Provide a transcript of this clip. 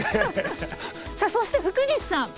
さあそして福西さん。